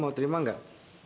mau terima gak